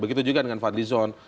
begitu juga dengan fadlizon